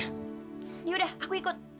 ya udah aku ikut